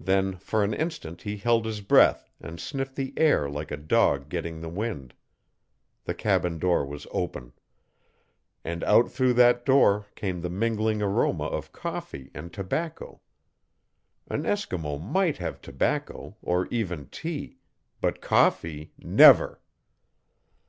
Then, for an instant, he held his breath and sniffed the air like a dog getting the wind. The cabin door was open. And out through that door came the mingling aroma of coffee and tobacco! An Eskimo might have tobacco, or even tea. But coffee never!